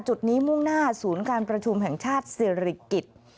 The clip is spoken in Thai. จุดนี้มุ่งหน้าศูนย์การประชุมแห่งชาติศิริกิจ